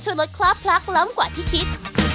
ชุดรถคล้าพลักล้อมกว่าที่คิด